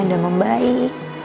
kadaannya udah membaik